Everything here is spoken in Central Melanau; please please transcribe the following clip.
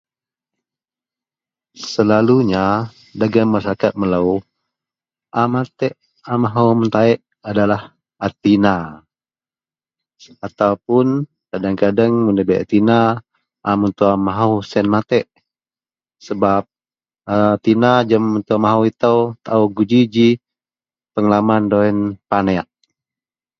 selalunya dagen masyarakat melou a matek a amahou metaik adalah tina ataupun kadeng-kadeng mun debai a tina a mentua mahou sien matek sebab a tina jegum mentua mahou itou taau kou ji ji pengalaman deloyien paneak